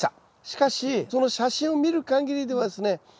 しかしその写真を見るかぎりではですね